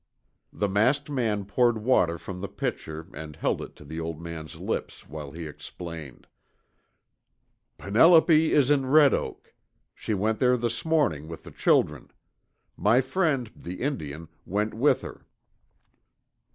The masked man poured water from the pitcher and held it to the old man's lips while he explained, "Penelope is in Red Oak. She went there this morning with the children. My friend, the Indian, went with her."